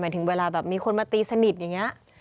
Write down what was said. ถึงเวลาแบบมีคนมาตีสนิทอย่างนี้